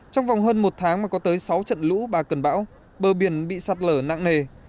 trong vòng hơn một tháng mà có tới sáu trận lũ ba cần bão bờ biển bị sạt lở nặng nề